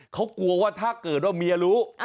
เขากลัวว่าถ้าเกิดว่าเมียรู้